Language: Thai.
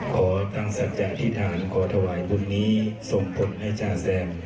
ขอตั้งสัจจะอธิษฐานขอถวายบุญนี้ส่งผลให้จ้าแซม